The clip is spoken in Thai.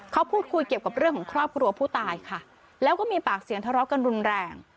เขาพูดคุยเกี่ยวกับเรื่องของครอบครัวผู้ตายค่ะแล้วก็มีปากเสียงทะเลาะกันรุนแรง